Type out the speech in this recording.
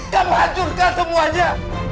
kamu hancurkan semuanya